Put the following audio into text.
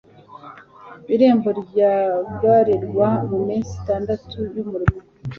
irembo ryugarirwa mu minsi itandatu y'umurimo